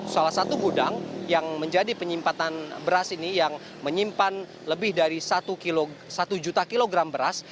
salah satu gudang yang menjadi penyimpanan beras ini yang menyimpan lebih dari satu juta kilogram beras